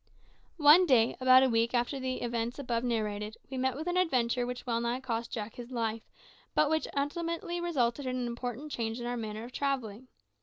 One day, about a week after the events above narrated, we met with an adventure which well nigh cost Jack his life, but which ultimately resulted in an important change in our manner of travelling.